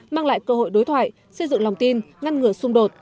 mang lại cơ hội đối thoại xây dựng lòng tin ngăn ngừa xung đột